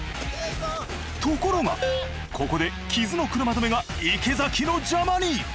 ところがここで木津の車止めが池崎の邪魔に！